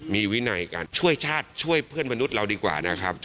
มีวินัยการช่วยชาติช่วยเพื่อนมนุษย์เราดีกว่านะครับ